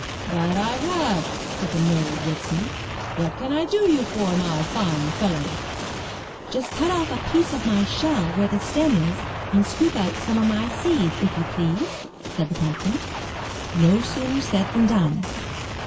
'That I have," said the merry woodsman. ''What can I do for you, my fine fellow?" 353 MY BOOK HOUSE *'Just cut off a piece of my shell where the stem is, and scoop out some of my seeds, if you please,*' said the pumpkin. No sooner said than done.